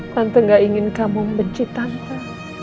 tante gak ingin kamu menciptakan aku